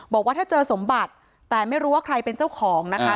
บอกว่าถ้าเจอสมบัติแต่ไม่รู้ว่าใครเป็นเจ้าของนะคะ